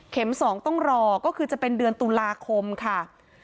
๒ต้องรอก็คือจะเป็นเดือนตุลาคมค่ะ